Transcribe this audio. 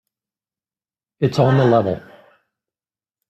It's on the level.